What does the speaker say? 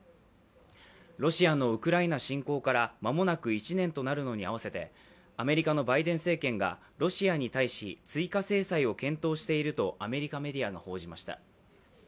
ロシアのウクライナ侵攻から間もなく１年となるのに合わせてアメリカのバイデン政権がロシアに対し追加制裁を検討しているとアメリカメディアが報じました。